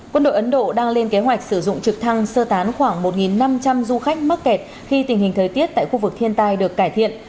quân đội ấn độ đang lên kế hoạch sử dụng trực thăng sơ tán khoảng một năm trăm linh du khách mắc kẹt khi tình hình thời tiết tại khu vực thiên tai được cải thiện